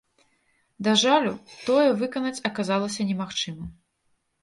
Да жалю, тое выканаць аказалася немагчыма.